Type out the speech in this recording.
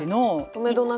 とめどなく。